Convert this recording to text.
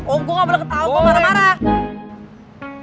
oh gue gak boleh ketawa gue marah marah